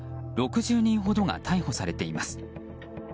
６０人ほどが逮捕されています。